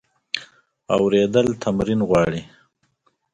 اورېدل تمرین غواړي.